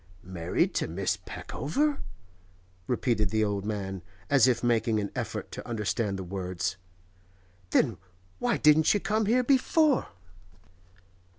'Married to Miss Peckover?' repeated the old man, as if making an effort to understand the words. 'Then why didn't you come here before?